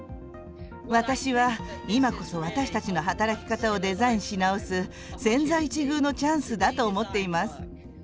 私は、今こそ私たちの働き方をデザインし直す千載一遇のチャンスだと思っています。